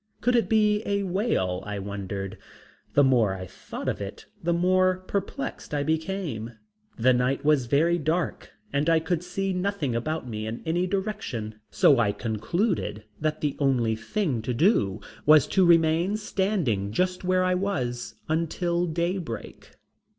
Could it be a whale, I wondered? The more I thought of it the more perplexed I became. The night was very dark and I could see nothing about me in any direction, so I concluded that the only thing to do was to remain standing just where I was until daybreak.